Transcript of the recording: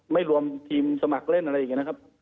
ไม่รวมทีมสมัครเล่นอะไรอย่างนี้นะครับ